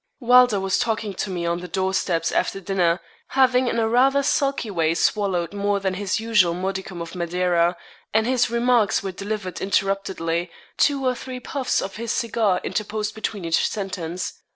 Wylder was talking to me on the door steps after dinner, having in a rather sulky way swallowed more than his usual modicum of Madeira, and his remarks were delivered interruptedly two or three puffs of his cigar interposed between each sentence.